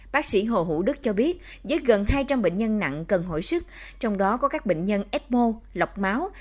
bác sĩ hồ hữu đức cho biết với gần hai trăm linh bệnh nhân nặng cần hồi sức trong đó có các bệnh nhân epmo lọc máu